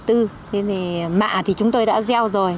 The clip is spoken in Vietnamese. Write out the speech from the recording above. thế thì mạ thì chúng tôi đã gieo rồi